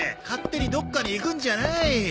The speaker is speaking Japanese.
勝手にどっかに行くんじゃない！